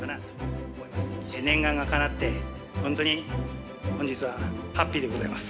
◆念願がかなって、本当に本日はハッピーでございます。